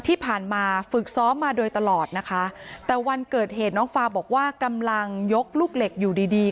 ที่ผ่านมาฝึกซ้อมมาโดยตลอดนะคะแต่วันเกิดเหตุน้องฟาบอกว่ากำลังยกลูกเหล็กอยู่ดีดี